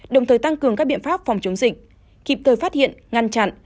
đồng thời tăng cường các biện pháp phòng chống dịch kịp thời phát hiện ngăn chặn